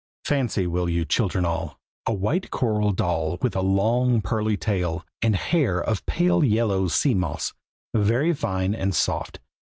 Fancy, will you, children all, a white coral doll with a long pearly tail, and hair of pale yellow sea moss, very fine and soft!